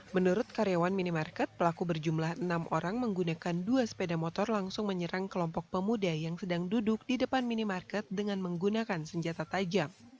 menurut karyawan minimarket pelaku berjumlah enam orang menggunakan dua sepeda motor langsung menyerang kelompok pemuda yang sedang duduk di depan minimarket dengan menggunakan senjata tajam